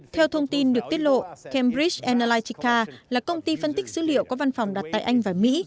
theo thông tin được tiết lộ cambridge annalitica là công ty phân tích dữ liệu có văn phòng đặt tại anh và mỹ